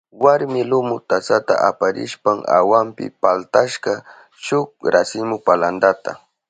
Warmi lumu tasata aparishpan awanpi paltashka shuk rasimu palantata.